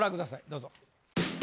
どうぞ。